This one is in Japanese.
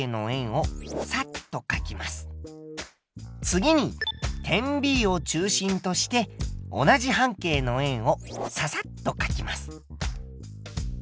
次に点Ｂを中心として同じ半径の円をササッとかきます。